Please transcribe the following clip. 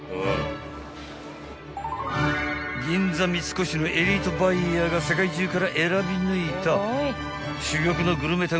［銀座三越のエリートバイヤーが世界中から選び抜いた珠玉のグルメ店